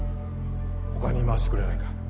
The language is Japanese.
他に回してくれないか